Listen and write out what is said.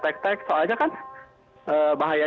ada yang di dalamnya